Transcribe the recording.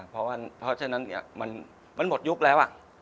เพราะฉะนั้นมันหมดยุคแล้ว